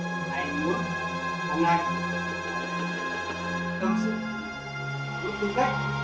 phải mua thuốc